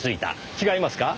違いますか？